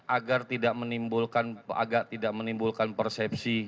agar tidak menimbulkan persepsi